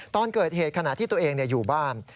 ตอนเกิดเหตุขณะที่ตัวเองอยู่บ้าน